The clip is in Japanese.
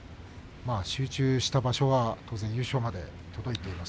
集中した場所は当然優勝まで届いています。